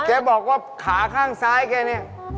แกบอกว่าขาข้างซ้ายแกเนี่ย